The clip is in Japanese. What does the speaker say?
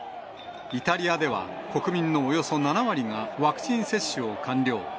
イタリアでは国民のおよそ７割がワクチン接種を完了。